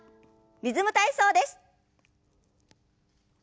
「リズム体操」です。